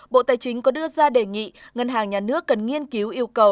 bộ tài chính có đưa ra đề nghị ngân hàng nhà nước cần nghiên cứu yêu cầu